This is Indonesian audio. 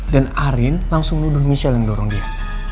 dan arin langsung nuduh michelle yang dorong dia